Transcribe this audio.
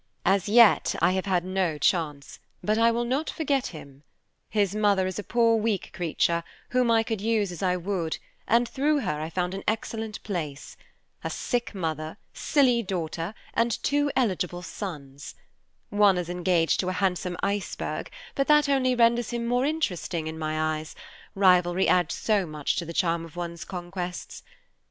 As yet, I have had no chance, but I will not forget him. His mother is a poor, weak creature, whom I could use as I would, and through her I found an excellent place. A sick mother, silly daughter, and two eligible sons. One is engaged to a handsome iceberg, but that only renders him more interesting in my eyes, rivalry adds so much to the charm of one's conquests.